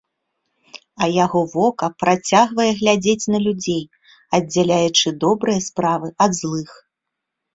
А яго вока працягвае глядзець на людзей, аддзяляючы добрыя справы ад злых.